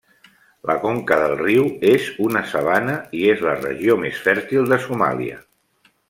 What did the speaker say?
La conca del riu és una sabana i és la regió més fèrtil de Somàlia.